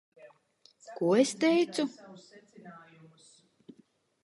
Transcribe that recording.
Ko es teicu?